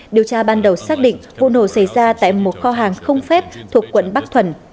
điều tra ban đầu xác định vụ nổ xảy ra tại một kho hàng không phép thuộc quận bắc thuần